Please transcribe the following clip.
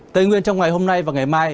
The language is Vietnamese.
tây nguyên trong ngày hôm nay và ngày mai